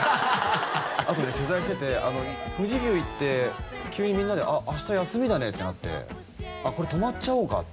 あとね取材してて富士急行って急にみんなで「あした休みだね」ってなって「これ泊まっちゃおうか」